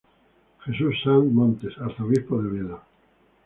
Jesús Sanz Montes, Arzobispo de Oviedo.